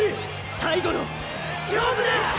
最後の勝負だ！